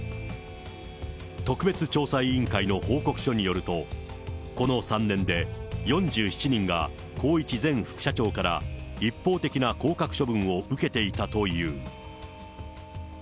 特別調査委員会の報告書によると、この３年で、４７人が宏一前副社長から一方的な降格処分を受けていたという。